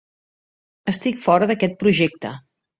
Estic fora d"aquest projecte.